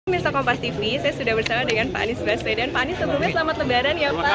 misa kompas tv saya sudah bersama dengan pak anies baswedan pak anies sebelumnya selamat lebaran ya pak